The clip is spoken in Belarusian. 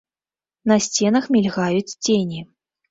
На сценах мільгаюць цені.